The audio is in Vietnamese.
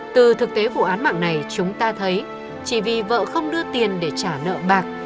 từ thực tế vụ án mạng này chúng ta thấy chỉ vì vợ không đưa tiền để trả nợ bạc